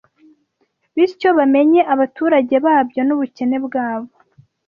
bityo bamenye abaturage babyo n’ubukene bwabo